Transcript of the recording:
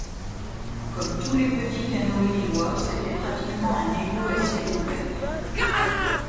Comme tous les petits canaux lillois, c'était pratiquement un égout à ciel ouvert.